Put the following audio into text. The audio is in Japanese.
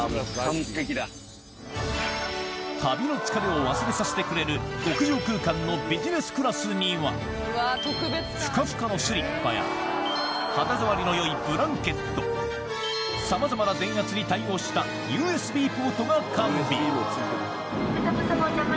旅の疲れを忘れさせてくれるふかふかのスリッパや肌触りの良いブランケットさまざまな電圧に対応したＵＳＢポートが完備